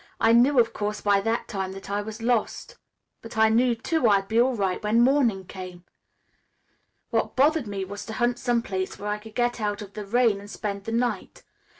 I knew, of course, by that time that I was lost, but I knew, too, I'd be all right when morning came. What bothered me was to hunt some place where I could get out of the rain and spend the night.